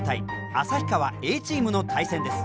旭川Ａチームの対戦です。